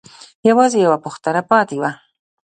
يوازې يوه پوښتنه پاتې وه.